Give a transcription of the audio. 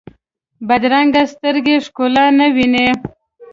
بدرنګه سترګې ښکلا نه ویني